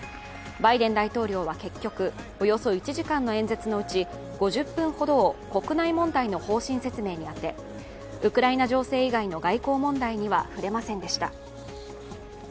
バイデン大統領は結局、およそ１時間の演説のうち５０分ほどを国内問題の方針説明に当てウクライナ情勢以外の外交問題には触れませんでした。